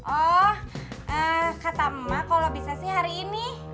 oh kata emak kalau bisa sih hari ini